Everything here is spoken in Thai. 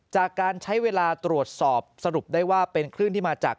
จากการใช้เวลาตรวจสอบสรุปได้ว่าเป็นคลื่นที่มาจาก